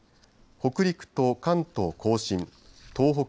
北陸と関東甲信東北